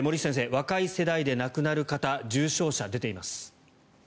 若い世代で亡くなる方重症者が出ています。